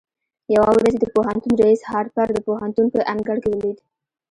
يوه ورځ يې د پوهنتون رئيس هارپر د پوهنتون په انګړ کې وليد.